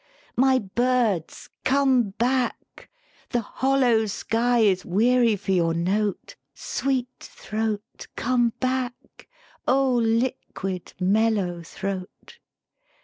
"My birds, come back! the hollow sky Is weary for your note. (Sweet throat, come back! O liquid, mellow throat!)